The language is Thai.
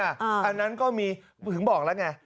อันนั้นก็มีถึงบอกแล้วไง